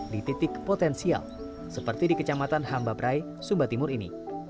di titik potensial seperti di kecamatan hambabrai sumba timur ini